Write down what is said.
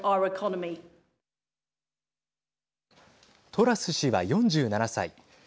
トラス氏は４７歳。